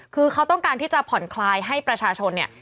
คือเขาต้องการที่จะผ่อนคลายให้ประชาชนเนี่ย